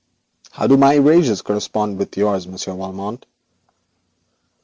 How do my erasures correspond with yours, Monsieur Valmont?'